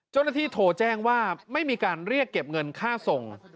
เจ้าหน้าที่โทรแจ้งว่าไม่มีการเรียกเก็บเงินค่าส่ง